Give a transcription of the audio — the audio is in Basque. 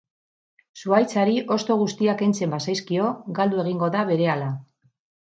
Zuhaitzari hosto guztiak kentzen bazaizkio, galdu egingo da berehala.